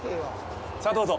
さあ、どうぞ。